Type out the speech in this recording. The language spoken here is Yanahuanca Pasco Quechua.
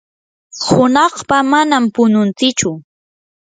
hunaqpa manami pununtsichu.